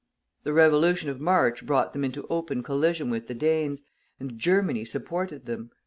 The Revolution of March brought them into open collision with the Danes, and Germany supported them.